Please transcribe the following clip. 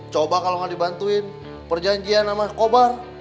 coba kalau nggak dibantuin perjanjian sama kobar